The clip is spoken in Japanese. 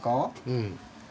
うん。